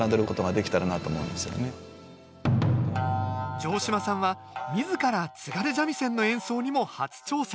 城島さんは自ら津軽三味線の演奏にも初挑戦。